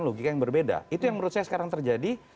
logika yang berbeda itu yang menurut saya sekarang terjadi